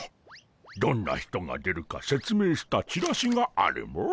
どんな人が出るか説明したチラシがあるモ。